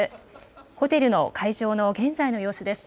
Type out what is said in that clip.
ホテルの会場の現在の様子です。